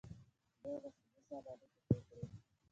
دوی له سعودي سره اړیکې ښې کړې.